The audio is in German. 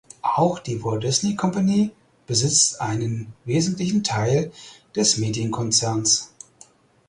Auch die Walt Disney Company besitzt einen wesentlichen Teil des Medienkonzerns.